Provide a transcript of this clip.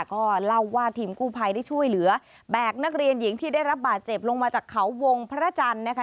ก็เล่าว่าทีมกู้ภัยได้ช่วยเหลือแบกนักเรียนหญิงที่ได้รับบาดเจ็บลงมาจากเขาวงพระจันทร์นะคะ